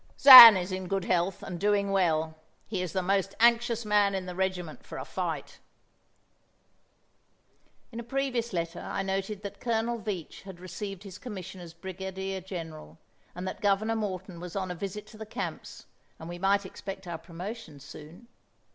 "Zan is in good health and doing well. He is the most anxious man in the regiment for a fight." In a previous letter I noted that Colonel Veatch had received his commission as brigadier general, and that Governor Morton was on a visit to the camps and we might expect our promotions soon.